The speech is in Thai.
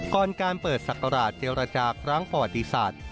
ก่อนการเปิดศักราชเจรจาครั้งประวัติศาสตร์